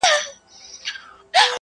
شپه د پرخي په قدم تر غېږي راغلې-